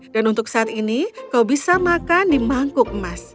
dan untuk saat ini kau bisa makan di mangkuk emas